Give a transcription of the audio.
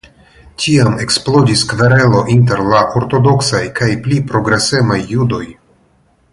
Tiam eksplodis kverelo inter la ortodoksaj kaj pli progresemaj judoj.